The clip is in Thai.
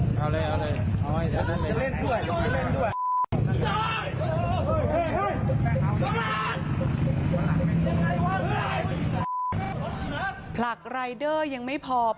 กลับมารับทราบ